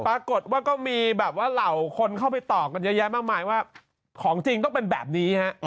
ปรากฏว่าก็มีแบบว่าเหล่าคนเข้าไปต่อกันเยอะแยะมากมายว่าของจริงต้องเป็นแบบนี้ฮะ